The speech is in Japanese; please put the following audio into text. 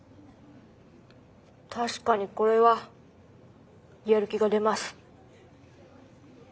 確かにこれはやる気が出ます。